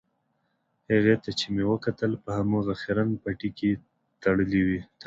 هغې ته چې مې وکتل په هماغه خیرن پټۍ کې تړلې وې.